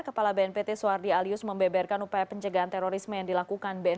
kepala bnpt sohardi alyus membeberkan upaya pencegahan terorisme yang dilakukan bnpt selama ini